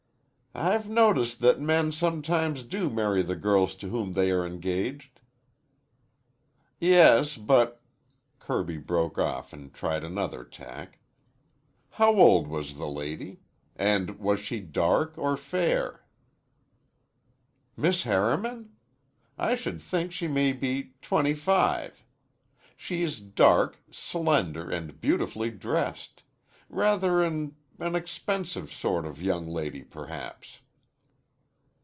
"I've noticed that men sometimes do marry the girls to whom they are engaged." "Yes, but " Kirby broke off and tried another tack. "How old was the lady? And was she dark or fair?" "Miss Harriman? I should think she may be twenty five. She is dark, slender, and beautifully dressed. Rather an an expensive sort of young lady, perhaps."